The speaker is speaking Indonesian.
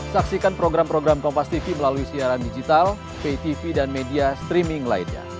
saksikan program program kompastv melalui siaran digital pay tv dan media streaming lainnya